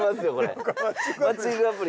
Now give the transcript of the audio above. なんかマッチングアプリ。